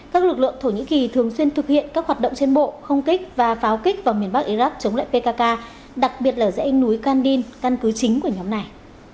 các lực lượng thổ nhĩ kỳ thường xuyên thực hiện các hoạt động trên bộ không kích và pháo kích vào miền bắc iraq chống lại pkk đặc biệt là dãy núi kandin căn cứ chính của nhóm này